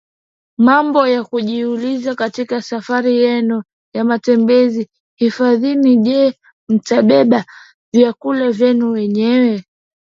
Mambo ya kujiuliza katika safari yenu ya matembezi hifadhini Je mtabeba vyakula vyenu wenyewe